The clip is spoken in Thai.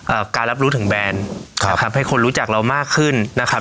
การรับรู้ถึงแบรนด์ครับนะครับให้คนรู้จักเรามากขึ้นนะครับ